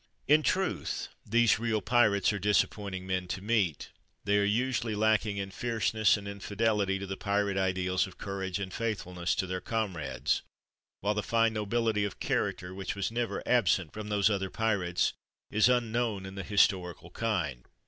In truth, these real pirates are disappoint ing men to meet. They are usually lacking in fierceness and in fidelity to the pirate ideals of courage and faithfulness to their comrades, while the fine nobility of char acter which was never absent from those other pirates is unknown in the historical kind.